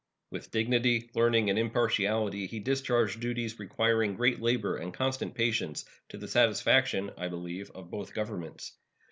With dignity, learning, and impartiality he discharged duties requiring great labor and constant patience, to the satisfaction, I believe, of both Governments.